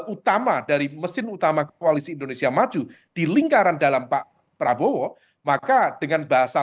utama dari mesin utama koalisi indonesia maju di lingkaran dalam pak prabowo maka dengan bahasa